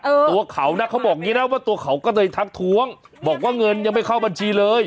ตัวเขานะเขาบอกอย่างงี้นะว่าตัวเขาก็เลยทักท้วงบอกว่าเงินยังไม่เข้าบัญชีเลย